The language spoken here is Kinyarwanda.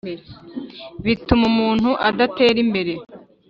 bituma umuntu adatera imbere